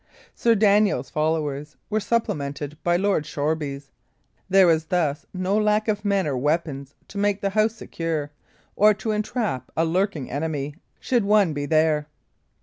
Sir Daniel's followers were supplemented by Lord Shoreby's; there was thus no lack of men or weapons to make the house secure, or to entrap a lurking enemy, should one be there.